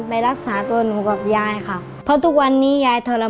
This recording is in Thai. ไปรักษาตัวหนูกับยายค่ะเพราะทุกวันนี้ยายทรมา